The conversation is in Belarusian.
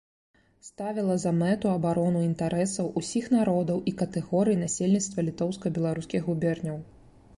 Ставіла за мэту абарону інтарэсаў усіх народаў і катэгорый насельніцтва літоўска-беларускіх губерняў.